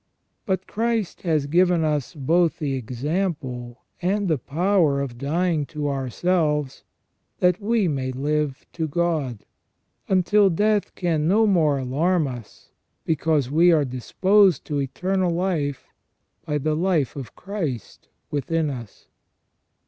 But Christ has given us both the example and the power of dying to ourselves that we may live to God, until death can no more alarm us, because we are disposed to eternal life by the life of Christ within us.